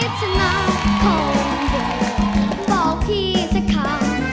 บอกพี่สักครั้ง